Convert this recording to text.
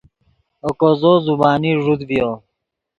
اوکو زو زبانی ݱوت ڤیو